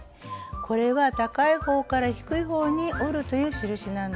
これは「高い方から低い方に折る」という印なんです。